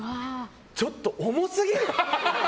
ちょっと、重すぎる。